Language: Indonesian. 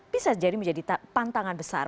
bisa jadi menjadi tantangan besar